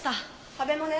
壁もね。